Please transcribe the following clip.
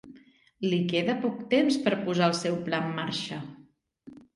Li queda poc temps per posar el seu pla en marxa.